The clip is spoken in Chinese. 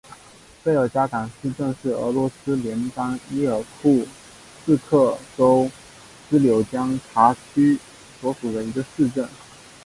贝加尔港市镇是俄罗斯联邦伊尔库茨克州斯柳江卡区所属的一个市镇。